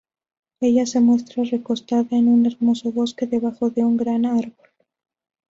Ella se muestra recostado en un hermoso bosque, debajo de un gran árbol.